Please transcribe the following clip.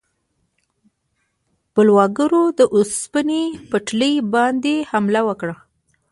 بلواګرو د اوسپنې پټلۍ باندې حمله وکړه.